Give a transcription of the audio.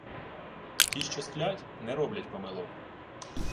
Ті, що сплять, не роблять помилок.